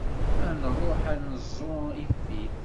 Ad nruḥ ad neẓẓu ifit.